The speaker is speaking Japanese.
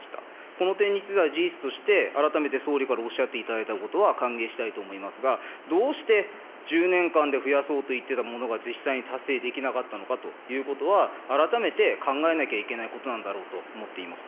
この点については事実として、改めて総理からおっしゃっていただいたことは歓迎したいと思いますが、どうして１０年間で増やそうと言ってたものが実際に達成できなかったのかということは、改めて考えなきゃいけないことなんだろうと思っています。